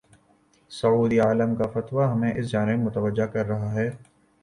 سعودی عالم کا فتوی ہمیں اس جانب متوجہ کر رہا ہے۔